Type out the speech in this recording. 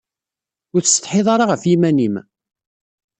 Ur tessetḥiḍ ara ɣef yiman-im?